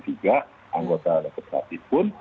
juga anggota legislatif pun